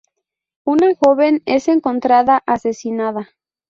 Una joven es encontrada asesinada.